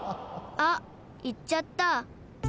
あっいっちゃった。